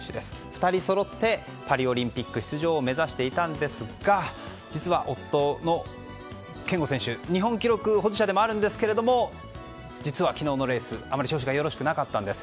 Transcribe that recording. ２人そろってパリオリンピック出場を目指していたんですが実は夫の健吾選手は日本記録保持者でもありますが実は昨日のレース、あまり調子がよろしくなかったんです。